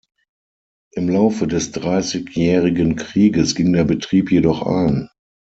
Im Laufe des Dreißigjährigen Krieges ging der Betrieb jedoch ein.